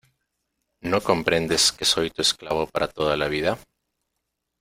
¿ no comprendes que soy tu esclavo para toda la vida?